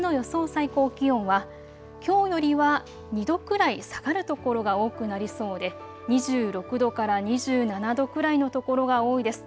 最高気温はきょうよりは２度くらい下がる所が多くなりそうで２６度から２７度くらいの所が多いです。